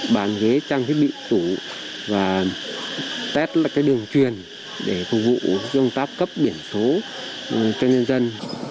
bàn ghế trang thiết bị tủ và tét lại đường truyền để phục vụ dân tác cấp biển số cho nhân dân